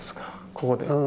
ここで。